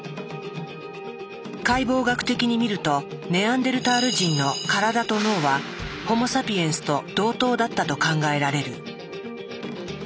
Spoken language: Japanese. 解剖学的に見るとネアンデルタール人の体と脳はホモ・サピエンスと同等だったと考えられる。